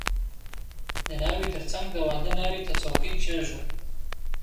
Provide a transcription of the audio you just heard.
• د ناوې تر څنګ د واده ناوې ته څوکۍ کښېږده.